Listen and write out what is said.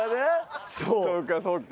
そうかそうか。